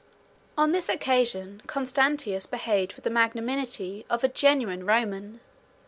On this occasion, Constantius behaved with the magnanimity of a genuine Roman.